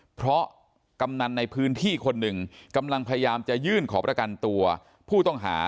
เพราะกำนันในพื้นที่คนหนึ่งกำลังพยายามจะยื่นขอประกันตัวผู้ต้องหา